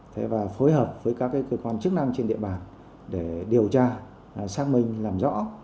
thế và phối hợp với các cơ quan chức năng trên địa bàn để điều tra xác minh làm rõ